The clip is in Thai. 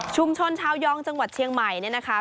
ชุมชนชาวยองจังหวัดเชียงใหม่นะคะ